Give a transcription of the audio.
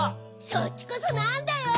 そっちこそなんだよ！